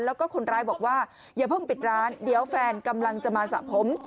แล้วก็คนร้ายบอกว่าอย่าเพิ่งปิดร้านเดี๋ยวแฟนกำลังจะมาสระผม